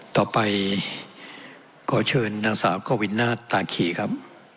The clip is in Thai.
ต่อไปขอเชิญนางสาวกวินาศตาคีครับ